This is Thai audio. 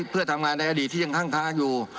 เพื่อทำงานในอดีตที่ยังข้างอยู่